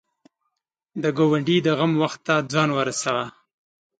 د ګاونډي د غم وخت ته ځان ورسوه